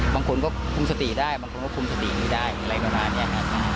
บางคนก็คุ้มสติได้บางคนก็คุ้มสติไม่ได้อะไรก็น่าเนี้ย